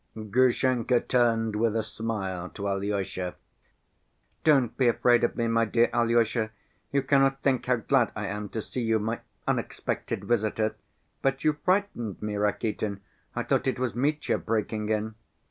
Grushenka turned with a smile to Alyosha. "Don't be afraid of me, my dear Alyosha, you cannot think how glad I am to see you, my unexpected visitor. But you frightened me, Rakitin, I thought it was Mitya breaking in.